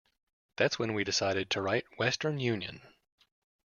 That's when we decided to write 'Western Union.